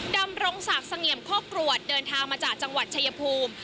ดำรงศักดิ์เสงี่ยมโคกรวดเดินทางมาจากจังหวัดชายภูมิ